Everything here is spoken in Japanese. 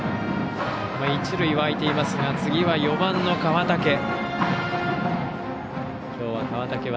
一塁は空いていますが次は４番の川竹。